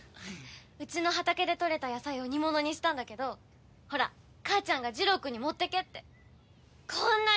うちの畑でとれた野菜を煮物にしたんだけどほら母ちゃんがジロウくんに持ってけってこんなに！